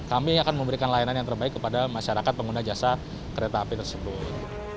kami akan memberikan layanan yang terbaik kepada masyarakat pengguna jasa kereta api tersebut